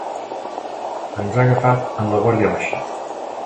Ens ha agafat amb la guàrdia baixa.